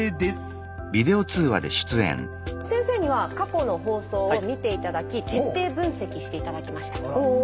先生には過去の放送を見て頂き徹底分析して頂きました。